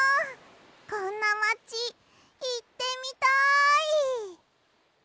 こんなまちいってみたい！